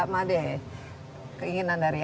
made keinginan dari